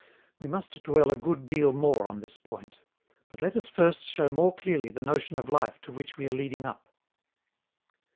We must dwell a good deal more on this point. But let us first show more clearly the notion of life to which we are leading up.